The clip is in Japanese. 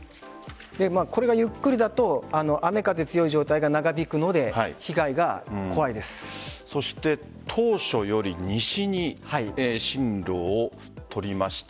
これがゆっくりだと雨風強い状態が長引くのでそして、当初より西に進路を取りました。